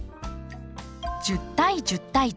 １０対１０対１０。